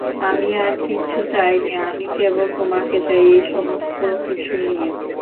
আমি আর কিচ্ছু চাই নে, আমি কেবল তোমাকে চাই এই সমস্ত কিছু নিয়ে।